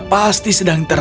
dia pasti sedang mencari